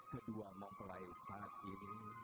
kedua mempelai saat ini